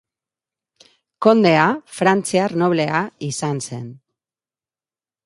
Kondea, frantziar noblea izan zen.